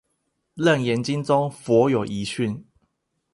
楞嚴經中佛有遺訓